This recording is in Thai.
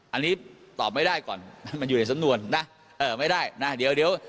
อันนี้ตอบไม่ได้ก่อนมันอยู่ในสำนวนนะเออไม่ได้นะเดี๋ยวเดี๋ยว